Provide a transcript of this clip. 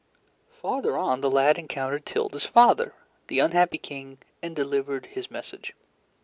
Farther on, the lad encountered Tilda's father, the unhappy King, and delivered his message.